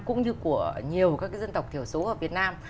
cũng như của nhiều các dân tộc thiểu số ở việt nam